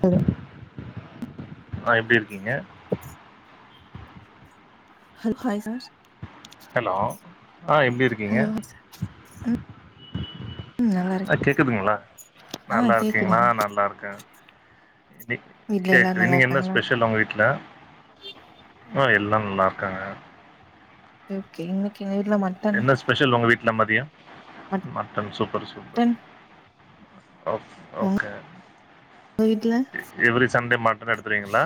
hello ஆ எப்டி இருக்கீங்க ஹலோ ஹாய் சார் ஹலோ ஆ எப்டி இருக்கிங்க ஹலோ சார் ம் நல்லா ஆ இருக்கே கேக்குதுங்களா ஆ நல்லாருக்கிங்ளா கேக்குதுங்க ஆ நல்லாருக்கே இ வீட்ல எல்லாரு கேக்குது நல்லா இன்னைக்கி என்ன இருக்காங்களா ஸ்பெஷல் உங்க வீட்டு்ல ஆ எல்லா நல்லாருக்காங்க ஓகே இன்னைக்கு நேர்ல என்ன ஸ்பெஷல் ஒங்க வீட்ல மதிய mutton super super mutton okay உங்க ஓகே வீட்ல எவரி சண்டே மட்டன் எடுத்றுவிங்ளா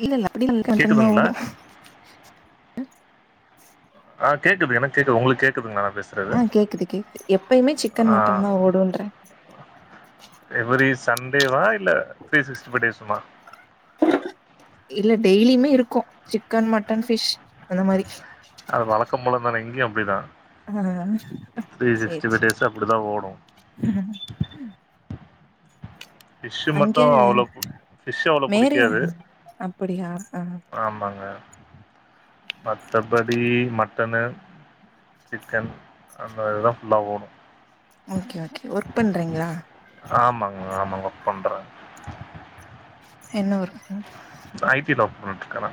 இல்லல்ல அப்புடில இல்ல மட்டன்தா கேக்குதுங்களா ஓடு ஆ கேக்குது எனக்கு கேக்குது ஒங்களுக்கு கேக்குதுங்களா நா பேசு ஆ கேக்குது கேக்குது எப்பயுமே சிக்கன் மட்டன்தா ஓடுன்றே எவரி சண்டேவா இல்ல த்ரீ சிக்ஸ்டி ஃபைவ் டேசுமா இல்ல டெய்லியுமே இருக்கு சிக்கன் மட்டன் ஃபிஷ் அந்த மாரி அது வழக்க போலதானே இங்கயு அப்டிதா ஆ த்ரீ சேரி சிக்ஸ்டிஃபைவ் சேரி டேசும் அப்டிதா ஓடு ஃபிஷ் அங்க மட்டு அவ்ள பிஷ் அவ்ளோ மேரேஜ் புடிக்காது அப்டியா ஆ ஆமாங்க மத்தபடி மட்டனு சிக்கன் அந்த இதா ஃபுல்லா ஓடு ஓகே ஓகே ஒர்க் பண்றிங்ளா ஆமாங்க ஆமாங்க ஒர்க் பண்றே என்ன ஒர்குங்க ஐ டில ஒர்க் பண்ணிட்டு இருக்க நா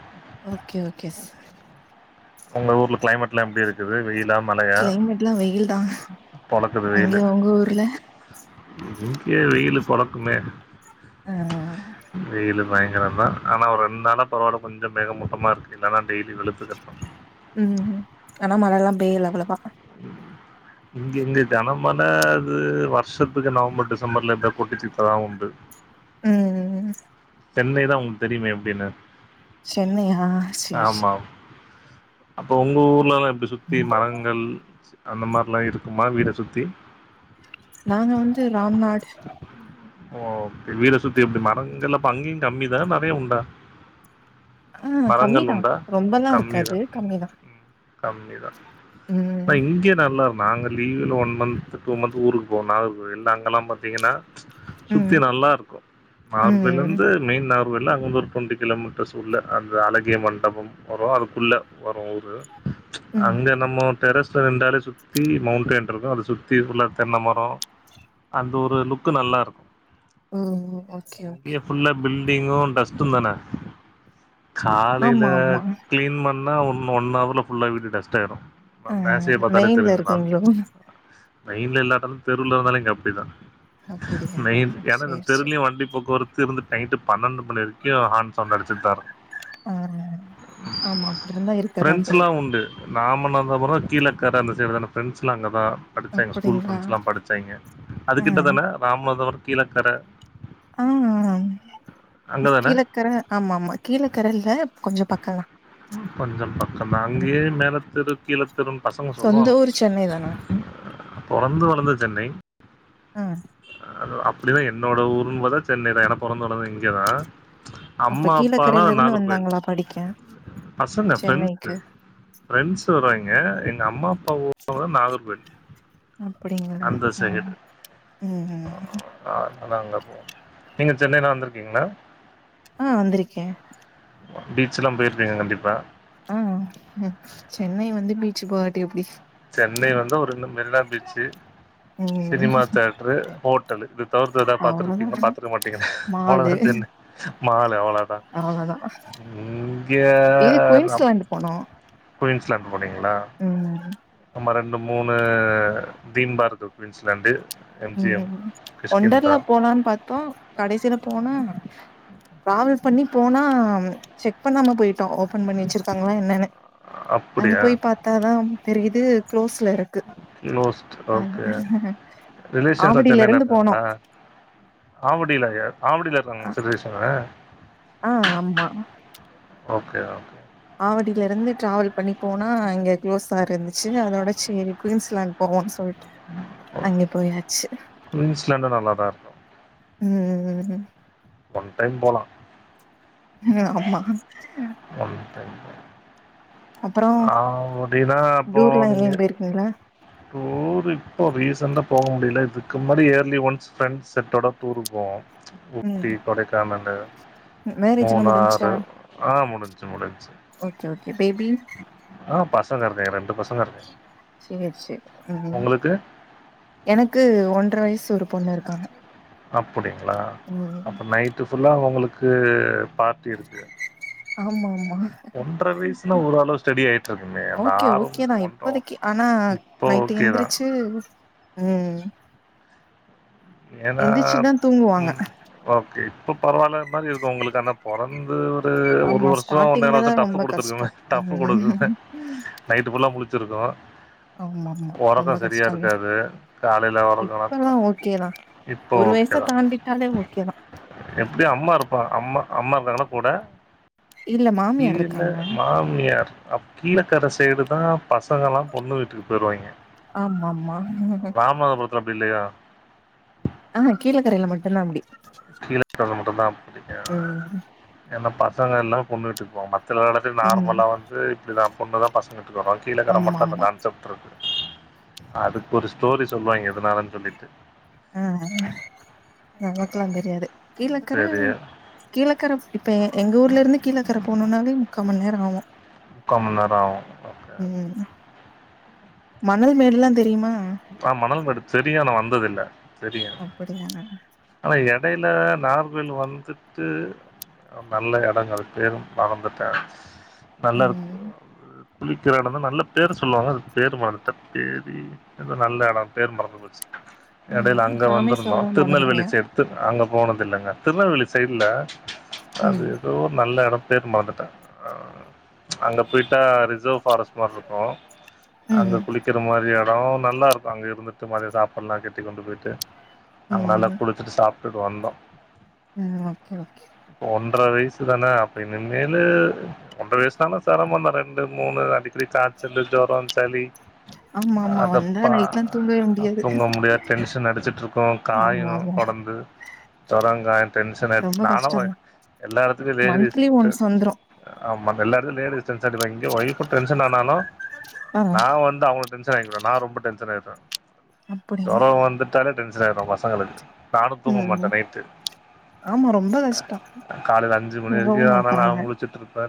ஓகே ஓகே சார் ஒங்க ஊர்ல க்ளைமேட்ல்லா எப்டி இருக்குது வெயிலா மழையா அங்கே ஒங்க ஊர்ல இங்கே வெயிலு பொலக்குமே ஆ வெயிலு பயங்கரந்தா ஆனா ஒரு ரெண் நாளா பரவால்ல கொஞ்ச மேக மூட்டமா இருக்கு இருந்தாலு டெய்லி வெளுத்துக்கட் [unintelligible] ம் ஆனா மழல்லா பெய்யல அவ்வளவா இங்க இங்க கனமழை அது வருஷத்துக்கு நவம்பர் டிசம்பர்ல இந்த போட்டுச்சிட்டதா உண்டு ம் சென்னைதா உங்களுக்கு தெரியுமே எப்டின்னு சென்னையா சேரி ஆமா சேரி அப்ப ஒங்க ஊர்லலா இப்டி சுத்தி மரங் கள் அந்த மாரிலா இருக்குமா வீட சுத்தி நாங்க வந்து ராம்நாட் ஓ ஓகே வீட சுத்தி எப்டி மரங்கள்லப்ப அங்கியு கம்மி தான நெறைய உண்டா ஆ மரங்கள் கம்மிதா உண்டா ரொம்பலா கம்மிதா இருக்காது கம்மிதா ம் கம்மிதா அனா ம் இங்க நல்லா நாங்க லீவுல ஒன் மந்து டூ மந்த் ஊருக்கு போவோ நாகர்கோயில் அங்கெல்லா பாத்தீங்கன்னா சுத்தி ம் நல்லாருக்கு ம் நாகர்கோயிலேருந்து மெயின் நார் கோவில்ல அங்க வந்து ஒரு டுவென்டி கிலோமீட்டர்ஸ் உள்ள அந்த அழகிய மண்டபம் வரு அதுக்குள்ள வரு ஊரு ம் அங்க நம்மோ டெரஸ்ல நிண்டாலே சுத்தி மௌண்டென் இருக்கு அத சுத்தி ஃபுல்லா தென்ன மரோ அது ஒரு லுக்கு நல்லாருக்கு ம் ஓகே ஓகே ஃபுல்லா பில்டிங்கு டஸ்டு தான காலைல ஆமா ஆமா கிளீன் பண்ணா ஒன் ஒன் ஹவர்ல ஃபுல்லா வீடு டஸ்ட்டாயிடு நா ஆ மேசைய பாத்தாலே மெயின்ல தெரிஞ்சிடு இருக்கீங்களோ மெயின்ல இல்லாட்டாலு தெருவுல இருந்தாலு இங்க அப்டிதா அப்படியா நைட் ஏன்னா இந்த சேரி சேரி தெருலயு வண்டி போக்குவரத்து இருந்து நைட்டு பன்னெண்டு மணி வரைக் கு ஹார்ன் சௌண்டு அடிச்சிட்டுதாருக்கு ஆ ஆமா அப்டி இருந்தா இருக்கதா செய்யு நாமநாதபுரோ கீழக்கர அந்த சைடு தான ஃப்ரெண்ட்ஸ் எல்லா அங்கதா படிச்சாங்க ஸ்கூல் அப்படிங்களா ஃப்ரெண்ட்ஸ்லா படிச்சாய்ங்க ஆ கிட்டதான ராமநாதபுரோ கீழக்கர ஆ அங்க தான கீழக்கர ஆமாமா கீழக்கர இல்ல கொஞ்சோ பக்கந்தா கொஞ்சோ பக்கந்தா ம் அங்கயே மேலத்தெரு கீழத் தெரு பசங்க சொல்லுவாங்க சொந்த ஊரு சென்னை தானா பொறந்து வளந்தது சென்னை ம் அது அப்டிதா என்னோட ஊருனு பாத்தா சென்னைதா ஏனா பொறந்து வளந்தது இங்கதா அப்ப அம்மா அப்பால்லா கீழக்கரையில இருந்து நாகர்கோயில் வந்தாங்களா படிக்க பசங்க ஃப்ரெண்ட்ஸு சென்னைக்கு ஃப்ரெண்ட்ஸு வருவாங்க எங்க அம்மா அப்பா ஊரு [inaudible] நாகர்கோயில் அப்படிங்களா அந்த ஆ சைடு ம் ம் ஆ அதனால அங்க போவோ நீங்க சென்னைலா வந்துருக்கீங்களா ஆ வந்துருக்கே பீச்லா போயிருப்பீங்க கண்டிப்பா ஆ சென்னை வந்து பீச்சு போவாட்டி எப்டி சென்னை வந்து ஒரு ரெண்டு மெரினா பீச்சு ம் சினிமா தேட்டரு ஹோட்டலு இது தவிர்த்து எதா அவ்ளோதா பாத்துருப்பீங்களா பாத்துருக்க மாட்டீங்க மாலு அவ்ளோதா சென்னை மாலு அவ்ளோதா அவ்ளோதா இங்க இது ராம் குயின்ஸ்லாண்ட் போனோ குயின்ஸ்லேண்டு போனீங்களா ம் ஆமா ரெண்டு மூணு தீன் பாரத் குயின்ஸ்லாண்டு எம் ஜி எம் ம் கிஷ்கிந்தா ஒண்டர்லா போலான்னு பாத்தோ கடைசியில போனா ட்ராவல் பண்ணி போனா செக் பண்ணாம போயிட்டோ ஓப்பன் பண்ணி வச் சுருக்காங்களா என்னன்னு அங்க அப்டியா போய் பாத்தாதா தெரியுது குளோஸ்ல இருக் குளோஸ்ட் ஓகே ரிலேஷன்லா ஆவடியில சென்னைல இருந்து போனோ இருக்காங்களா ஆவடியிலயா ஆவடில உங்க சிலேஷனு ஆ ஆமா ஓகே ஓகே ஆவடில இருந்து டிராவல் பண்ணி போனா அங்க குளோஸா இருந்துச்சு அதோட சேரி குயின்ஸ்லேண்ட் போவோனு சொல்ட்டு அங்கே போயாச்சு குயின்ஸ்லாண்டு நல்லாதா இருக்கு ம் ஒன் டைம் போலா ஆமா ஒன் டைம் அப்றோ ஆ அப்டினா அப்போ டூர்லா நீங்க எங்கயு போயிருக்கீங்களா டூரு இப்போ ரீசெண்டா போக முடில இதுக்கு முன்னாடி இயர்லி ஒன்ஸ் ஃப்ரெண்ட்ஸ் செட்டோட டூருக் போவோ ஊட்டி ம் கொடைக்கானலு மேரேஜ்லா முடிஞ்ச்சா மூணாறு ஆ முடிஞ்சு முடிஞ்சு ஓகே ஓகே பேபி ஆ பசங்க இருக்காய்ங்க ரெண்டு பஸ் சேர் சேர் ம் உங்களுக்கு எனக்கு ஒன்ற வய்சு ஒரு பொண்ணு இருக்காங்க அப்புடிங்ளா ம் அப்ப நைட்டு ஃபுல்லா உங்களுக்கு பார்ட்டி இருக்கு ஆமா ஆமா ஒன்ற வய்னா ஒரளவ் ஸ்டடி ஆய்ட்ருக்குமே அந்த ஓகே ஆறும் ஓகே தா ஒன் இப்போதைக்கு ஆனா நைட்டு எந்ருச்சு ம் ஏனா எந்திரிச்சுதா தூங்குவாங்க ம் ஓகே இப்ப பரவால்ல மாரி இருக்கு உங்களுக்கு ஆனா பொறந்து து ஒரு ஆமா வருஷோ ஒன்னேஹால் ஸ்டார்டிங்ல தா வர்ஷோ டஃப்பு ரொம்ப குடுத்துருக்குமே கஷ்டோ டஃப்பு குடுக்குமே ம் நைட்டு ஃபுல்லா முளிச்சிருக்கு ஆமா ஆமா ரொம்ப ஒரக்கோ சரியா கஷ்டம்தா இருக்காது காலேல ஒரங்குனாத்தா இப்பல்லா ஓகேதா இப்போ ஒரு வயச ஓகேதா தாண்டிட்டாலே ஓகேதா எப்டி அம்மா இருப்பா அம்மா அம்மா மேல போல இல்ல மாமியார் கீழ இருக்காங்க மாமியார் அப் கீழகற சைடு தா பசங்கலா பொண்ணு வீட்டுக்கு போய்ர்வாய்ங்க ஆமாம்மாம் இங்கிட்டு அப்டில்லையா ஆமா கீழகறேல மட்டுந்தா அப்டி கீழகற மட்டுந்தா அப்புடி ய ம் ஏனா பசங்கெல்லா பொன்னு விட்டுக் போவ்ங் மத்த வேல து ம் நார்மலா வந்து இப்டிதா பொண்ணு தா பசங் வீட்டுக் வராங் கீழக்கற ஆமா மட்டு அந்த ஆமா கான்செப் ட்ருக்கு அதுக்கு ஒரு ஸ்டோரி சொல்வாய்ங்க எதுனாலன் சொல்லிட்டு ஆ அ எங்கக்குலா தெரியாது கீழக்கற சரி கீழக்கற இப்ப எங்க ஊர்ல இருந்து கீழக்கற போனுனாலே முக்காமநேர ஆகு முக்காமநேரோ ஆகு ம் மணல் மேடுலா தெரிமா ஆ மணல் மேடு தெரியு ஆனா வந்ததில்ல தெரியு அப்படியா ஆனா எடைல நார்கோயில் வந்துட்டு ஆ நல்ல எடங்கள் பேரு மரந்துட்ட நல்ல ம் குளிக்ற எடந்தா நல்ல பேரு சொல்லுவாங்க அது பேரு மறந்துட் தேதி இது நல்ல எடோ பேர் மறந்து போச்சு எடேல ம் அங்க வந்திருந்தோ ராமேஸ்வரம்லா போனது திருநெல்வேலி இல்லையா சை து அங்க போனதில்லங்க திருநெல்வேலி சைடுல அது ம் எதோ நல்ல எடம் பேர் மறந்துட்ட அங்க போய்ட்டா ரிசர்வ் ஃபாரஸ் மார் இருக்கு அங்க ம் குளிக்கிற மாரியா றோ நல்லா இருக்கு அங்க இருந்துட்டு மதியோ சாப்புல்லா கெட்டி கொண்டு போய்ட்டு அங்க நல்லா ம் குளிச்சிட்டு சாப்ட்டுட் வந்தோ ம் ஓகே ஓகே ஒன்ற வய்சு தான அப்ப இனுமேலு ஒன்ற வய்ஸ்தானா செரமோந்தான் ரெண்டு மூணு அடிக்கடி காய்சல்லு ஜொரோ சளி ஆமா ஆமா வந்தா அதப்பா நைட்லா தூங்கவே முடியாது தூங்க முடியாது டென்ஷன் அடிச்சிட்ருக்கு காயு ஆமா ஆமா கொடந் து ஜொரங் காயு டென்ஷன் ஆய்ர்ச்சு ரொம்ப நானு கஷ்டம்தான் எல்லா எடத்துக்கு இதே ரீஸ் மந்த்லி சிஸ்டர் ஒன்ஸ் வந்துரும் ஆமா இந்த எல்லாத்திடு இதே ரீசன் சேட்டிஃபை இங்க ஒயிஃபு டென்ஷன் ஆனாலு ஆ நா வந்து அவங் டென்ஷன் ஆயிடுவே நா ரொம்ப டென்ஷன் ஆயிடுவே அப்படியா ஜொர வந்துட்டாலே டென்ஷன் ஆயிடுவே பசங்களுக்கு நானு தூங்க மாட்டே ம் நைட்டு ஆமா ரொம்ப கஷ்டம் காலைல அஞ்சு மணி வரைக்கு தூங்கவும் ஆனாலு நா முழிச்சுட்ருப்பே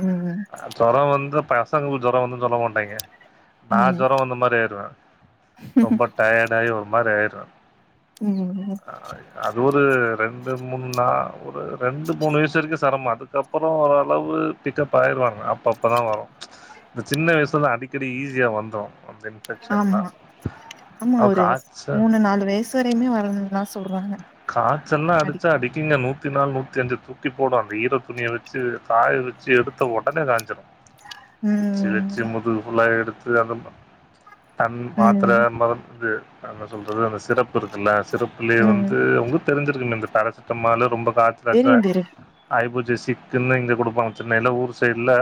ம் ம் ஜொர வந்து பசங்களுக்கு ஜொர வந்துதுன் செல்ல மாட்டாங்க நா ம் ஜொர வந்த மாரி ஆயிருவே ரொம்ப டயர்ட் ஆயி ஒரு மாரி ஆய்ருவே ம் அது ஒரு ரெண்டு மூணு நா ஒரு ரெண்டு மூணு வயசு வரைக்கு செரம அதுக்கப் அப்புற ஓரளவு பிக்கப் ஆயிருவாங்க அ அப்பதா வரு இந்த சின்ன வயசுலதா அடிக்கடி ஈஸியா வந்துரு இன்ஃபெக்ஷன்லா ஆமா ஆமா அது ஒரு காய்ச்ச மூணு நாலு வயசு வரையுமே வரன்லா சொ காய்ச்சல்லா அடிச்சா அடிக்குங்க நூத்தி நாளு நூத் தஞ்சு துக்கி போடு அந்த ஈர துணிய வச்சு காய வச்சு எடுத்த ஒடனே காஞ்சிடு வெச்சு வெச்சு ம் முதுகு ஃபுல்லா எடுத்து அது தண் மாத்ர ம் மருந்து என்ன சொல்றது அந்த சிறப்பு இருக்குல்ல சிறப்புலயே வந்து ம் இது அவங்களுக்கு தெரிஞ்சிருக்கு இந்த பேராசிட்டமலு ரொம்ப காய்சலாச்சா தெரியும் தெரியும் ஆய்பூட்ச்சு சிக்குன்னு இங்க குடுப்பாங்க சென்னைல்ல ஊர் சைட்ல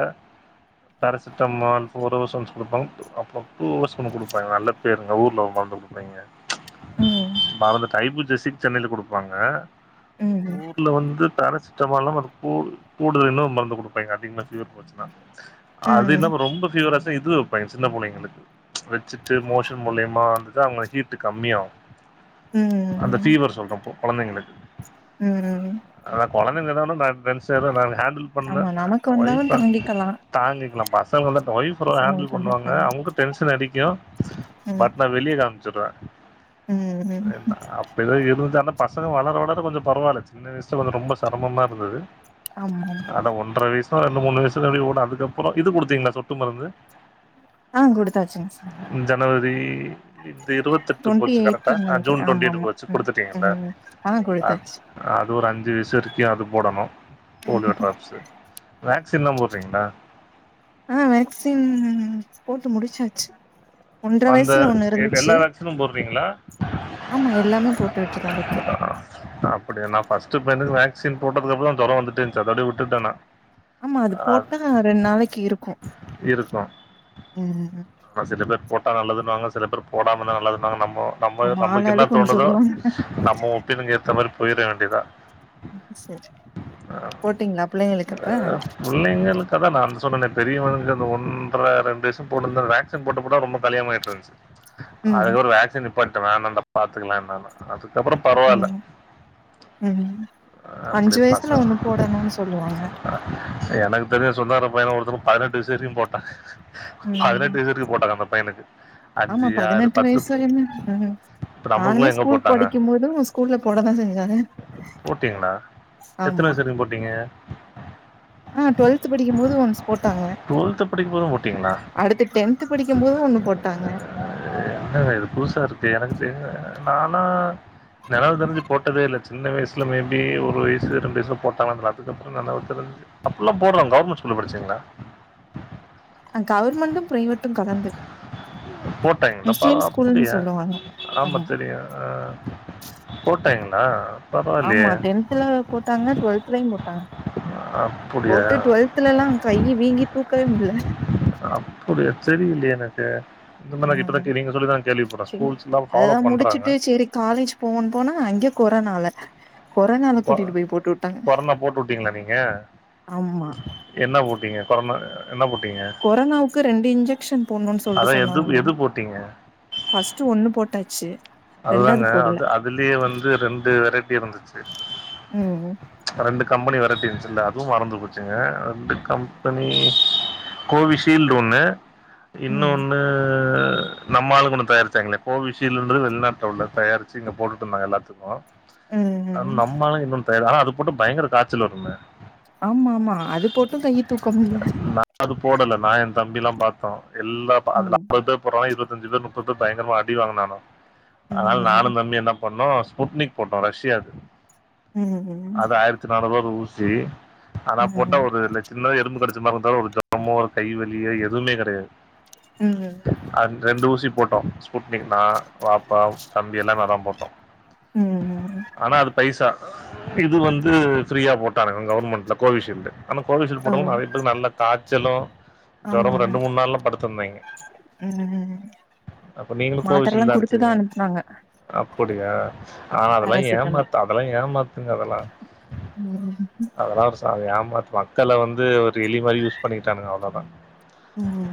பேராசிட்டமால் ஃபேர் அவர்ஸ் ஒன்ஸ் குடுப்பாங்க அப்ற டூ ஹவர்ஸ் ஒன்ஸ் குடுப்பாங்க நல்ல பேருங்க ஊர்ல ஒரு மருந்து குடுப்பாங்கே ம் மறந்துட்டே ஐபுஜெசிக் சென்னையில குடுப்பாங்க ம் ஊர் ல வந்து போரசிட்டமல்லா கூடு கூடுதலா இன்னொரு மருந்து குடுப்பங்க அதிக ஃபீவர் போச்சுன்னா அது ம் இல்லாம ரொம்ப ஃபீவராச்சுனா இது பை சின்ன புள்ளைங்களுக்கு வச்சுட்டு மோஷன் மூலயமா வந்துட்டு அவங்க ஹீட் கம்மியாவு அந்த ம் ஃபீவர் சொல்றே இப்போ கெழந்தைங்களுக்கு ம் அதா கொழந்தைங்க எதா ஒண்ணுணா நா எ ஃப்ரெண்ட்ஸ் எது ஹேண்டில் பண்ண ஆமா நமக்கு ஒயிஃ வந்தாலும் தாண்டிக்கலாம் தாங்கிக்கலா பசங்களுக்கு வந்தா ஒயிஃப் நல்லா ஹாண்டில் பசங்களுக்கு வந்து பண்ணுவாங்க தாங்க அவங்களுக்கு டென்ஷன் அடிக்கு ம் பட் நா வெளியே காம்ச்சிருவே ம் ஏன்னா அப் ஏதே இருந்துன்னா பசங்க வளர வளர கொஞ்ச பரவால்ல சின்ன வயசுல கொஞ்ச ரொம்ப செரமமா இருந்துது ஆமா அட ஒன்றர வயசுல ரெண்டு மூணு வயசுல அப்டியே பேட்டே அதுக்கப்புற இது குடுத்தீங்களா சொட்டு மருந்து ஆ குடுத்தாச்சுங் சார் ஜனவரி இந்த இருவத்தெட்டு டுவெண்ட்டி போச்சு கரெக்டா எய்ட்ன்னு அ நெனைக்கிறே ஜூன் டொண்டி ஆமா எயிட் ஆமா போச்சு ம் குடுத்துட்டீங்கல்ல ம் ஆ அத் குடுத்தாச்சு அது ஒரு அஞ்சு வயசு வரைக்கு அது போடணு போலியோ ட்ராப்ஸு வேக்சின்லா போட்றிங்ளா ஆ வேக்சின் போட்டு முடிச்சாச்சு ஒன்ற அந்த வயசல ஒன்ன இருந்துச்சு எல்லா வேக்சினு போடுறீங்களா ஆமாம் எல்லாமே போட்டுட்டுதா இருக்கு அப்டியா நா ஃபர்ஸ்ட் பையனுக்கு வேக்சின் போட்டதுக்குப்புறம்தா ஜொர வந்துட்டேந்துச்சு அத அப்டியே விட்டுட்டே நா ஆமா அது போட்டா ரெண் நாளைக்கு இருக்கும் இருக்கும் ம் ஆனா சில பேர் போட்டா நல்லதுன்னாங்க சில பேர் போடாமந்தா நல்லதுன்னவாங்க நம்மோ நம்ம ஆமா நமக்கு என்ன ஆளாளுக்கு ஒண்ணு தோணுதோ சொல்லுவாங்க நம்ம ஒப்பினுங்க ஏத்த மாரி போய்ற வேண்டியதா சரி போட்டிங்ளா பிள்ளகளுக்கு அப்ப புள்ளைங்களுக்கு அதான் நா சொன்னேன்னே பெரியவங்க அந்த ஒன்ற ரெண்டு வரூசம் போட்டுருந்தேன் வேக்சின் போட்டு கூட அவ ரொம்ப கலியான்ட்டுருச்சு ம் அதுக்கு ஒரு வேக்சின் நிப்பாட்டே வேணான்டா பாத்துக்கலா என்னான்னு அதுக்கப்ற பரவால்ல ம் ம் அப்படி அஞ்சு வயசுல ஒண்ணு பசங்க போடணும்னூ சொல்லுவாங்க எனக்கு தெரிஞ்ச செந்தகார பையன ஒருத்தனுக்கு பதினெட்டு வேக்ஷின் போட்டா ம் போட்டாங்க அந்த பையனுக்கு ஆமா அஞ்சு ஆறு பதினெட்டு பத்து வயசு வரையு ம் இப்ப நம்மளுக்குள்ள நானுமே எங்க ஸ்கூல் போட்டாங்க படிக்கும் போது உ ஸ்கூல்ல போடதா செஞ்சாங்க போட்டீங்களா எத்தன ஆமா வயசு வரைக்கு போட்டீங்க ஆ டு்வெல்த் படிக்கும்பது ஒன்ஸ் போட்டங்க டுவெல்த் படிக்கும் போதும் போட்டீங்களா அடுத்து டென்த் த்து படிக்கும் போது ஒண்ணு போட்டங்க என்ன இது புதுசா இருக்கு எனக்கு தெரிய நானா நெனவு தெரிஞ்சு போட்டதே இல்ல சின்ன வயசில மேபி ஒரு வயசு ரெண்டு வயசுல போட்டான்னா தெர்ல அதுக்கப்புறோ நனவு தெரிஞ்சு அப்பில்லா போட்றாங்க கவர்மெண்ட் ஸ்கூல்ல படிச்சீங்களா அ கவர்மெண்ட்டு பிரைவேட்டு கலந்து போட்டாங்கள்ல பரவா முஸ்லிம் ஸ்கூல்ன்னு அப்டியா சொல்லுவாங்க ஆமா தெரிய அ போட்டாய்ங்களா ஆமா டென்த்ல போட்டாங்க டுவெல்த்லயு போட்டாங்க அப்படியா போட்டு டுவெல்த் த்துலல்லா கை வீங்கி தூக்கவே முட்ல அப்டிய தெரியலையே எனக்கு ஆ இந்தமாரி இப்பதா நீங்க சொல்லிதா கேள்விப்பறே ஸ்கூல்ஸ்லா ஃபாலோ பண்றாங்க சேரி காலேஜ் போவோணு போனா அங்க கொரோனால கொரனால கொ- கூட்டிட்டு போய் போட்டுவுட்டாங்க கொரோனா போட்டு விட்டீங்களா நீங்க ஆம்மா என்ன போட்டீங்க கொரோனா என்ன போட்டீங்க கொரோனாவுக்கு ரெண்டு இன்ஜெக்ஷன் போடணுன்னு சொல்ட்டு அதான் எது சொன்னாங்க எது போட்டீங்க ஃபஸ்ட்டு ஒண்ணு போட்டாச்சு ரெண்டாவது அதுதாங்க போடல அது அதுலயே வந்து ரெண்டு வெரைட்டி இருந்துச்சு ம் ரெண்டு கம்பெனி வெரைட்டி இருந்ச்சுல்ல அதுவு மறந்து போச்சுங்க ரெண்டு கம்பெனி கோவிஷீல்டு ஒண்ணு ம் இன்னோன்னு நம்மாளுங்க ஒன்னு தயாரிச்சாங்களே கோவிஷீல்டு வெளிநாட்ல உள்ள தயாரிச்சு இங்க போட்டுருந்தா எல்லாத்துக்கு ம் அ ம் நம்மாளுங்க இன்னொன்னு தயா ஆனா அது போட்டு பயங்கர காச்சல் வருமே ஆமா ஆமா அது போட்டு கைய் தூக்க முட்ல நா அது போடல நா எ தம்பில்லா பாத்தோ எல்லா ம் அதுல [unintelligible] பேர் போற இருபத்தஞ்சு பேர் முப்பது பேர் பயங்கரமா அடிவாங்குனானு அதனால ம் நானு தம்பி என்ன பண்ணோ புட்னிக் போட்டோ ரஷ்யாது ம் ம் அது ஆயிரத்தி நாநூறுவா ஒரு ஊசி அதனா போட்டா ஒருலட் சின்னதா எறும்பு கடிச்ச மாரி இருந்தாலு ஒரு ஜரமோ ஒரு கைவலியோ எதுமே கடையாது ம் ம் அன் ரெண்டு ஊசி போட்டோ ஸ்புட்னிக் நா பாப்பா தம்பி எல்லா அதா போட்டோ ம் ஆனா அது பைசா இது வந்து ஃப்ரீயா போட்டாங்க கவர்மெண்ட்ல கோவிஷீல்டு ஆனா கோவிஷீல்டு ஓ போட்டவங்க நறைய பேர் நல்ல காச்சலு ஆமா ஜொரமு ஆமா ரெண்டு மூண் நாளல படுத்துருந்தேங்க ம் அப்ப நீங்களு மாத்திரல்லா கோவிஷீல்டு தா குடுத்துதா அடிச்சுங்க அனுப்புனாங்க அப்படியா ஆனா அதெல்லா பேராசிட்டமல் ஏமாத்த அதெல்லா ஏமா அதெல்லா ம் அதெல்லா ஒரு சமா யாமாத்து மக்கள வந்து ஒரு இழிவா யூஸ் பண்ணிட்டானுங்க அவ்ளதா ம்